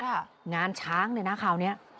ใช่ค่ะงานช้างในหน้าขาวเนี่ย